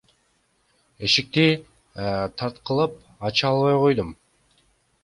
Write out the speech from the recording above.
Эшикти тарткылап, ача албай койдум.